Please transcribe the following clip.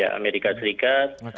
ya amerika serikat